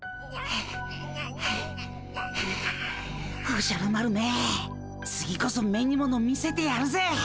おじゃる丸め次こそ目にもの見せてやるぜ！